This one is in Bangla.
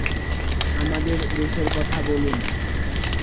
আপনাদের দেশের কথা বলুন।